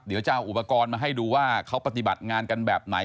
เดี๋ยวจะเอาอุปกรณ์มาให้ดูว่าเขาปฏิบัติงานกันแบบไหน